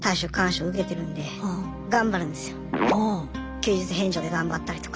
休日返上で頑張ったりとか。